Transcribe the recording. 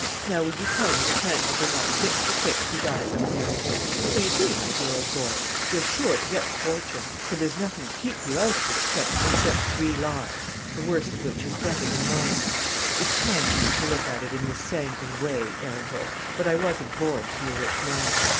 Now, will you tell me the chances are not six to six he dies unmarried? So you see, my dear old boy, you're sure to get the fortune; for there's nothing to keep you out of it, except " "Except three lives, the worst of which is better than mine. It's kind of you to look at it in this sanguine way, Arundel; but I wasn't born to be a rich man.